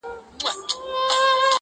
جنگ روان ـ د سولي په جنجال کي کړې بدل.